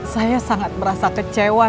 saya sangat merasa kecewa